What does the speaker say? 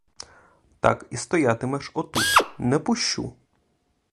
Так і стоятимеш отут, не пущу!